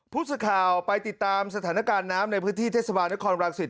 ผู้สื่อข่าวไปติดตามสถานการณ์น้ำในพื้นที่เทศบาลนครรังสิต